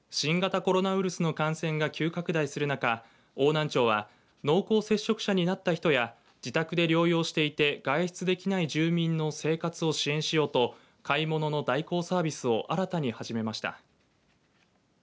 新型コロナウイルスの感染が急拡大する中邑南町は濃厚接触者になった人や自宅で療養していて外出できない住民の生活を支援しようと買い物の代行サービスを新たに始めました。